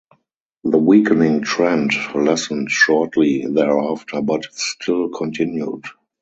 The weakening trend lessened shortly thereafter but still continued.